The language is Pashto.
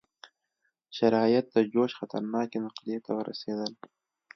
شرایط د جوش خطرناکې نقطې ته ورسېدل.